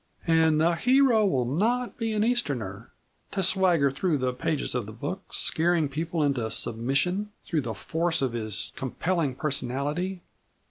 "And the hero will not be an Easterner to swagger through the pages of the book, scaring people into submission through the force of his compelling personality.